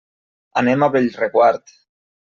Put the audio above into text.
Anem a Bellreguard.